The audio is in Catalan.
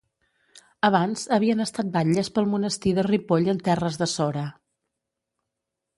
Abans havien estat batlles pel monestir de Ripoll en terres de Sora.